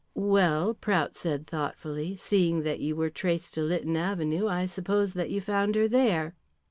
"Well," Prout said thoughtfully, "seeing that you were traced to Lytton Avenue, I suppose that you found her there?"